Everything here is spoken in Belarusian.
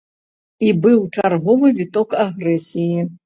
І быў чарговы віток агрэсіі.